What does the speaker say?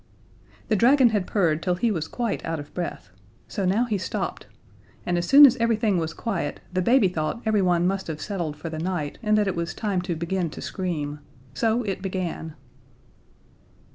The dragon had purred till he was quite out of breath so now he stopped, and as soon as everything was quiet the baby thought everyone must have settled for the night, and that it was time to begin to scream. So it began.